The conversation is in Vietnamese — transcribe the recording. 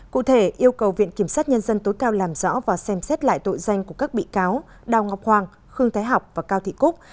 cụ thể yêu cầu viện kiểm sát nhân dân tối cao làm rõ và xem xét lại tội danh của các bị cáo đào ngọc hoàng khương thái học và cao thị cúc